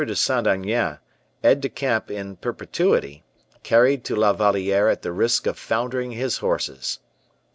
de Saint Aignan, aide de camp in perpetuity, carried to La Valliere at the risk of foundering his horses.